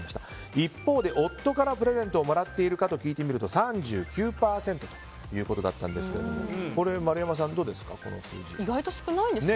一方で、夫からプレゼントをもらっているか聞いてみると３９％ということだったんですが意外と少ないんですね